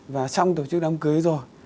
và xong tổ chức đám cưới rồi